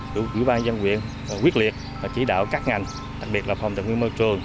chủ quỹ ban dân huyện quyết liệt và chỉ đạo các ngành đặc biệt là phòng tầng nguyên môi trường